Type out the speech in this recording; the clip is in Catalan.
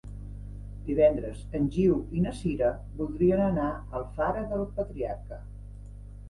Divendres en Guiu i na Sira voldrien anar a Alfara del Patriarca.